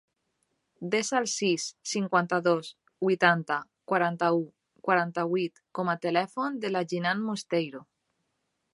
Desa el sis, cinquanta-dos, vuitanta, quaranta-u, quaranta-vuit com a telèfon de la Jinan Mosteiro.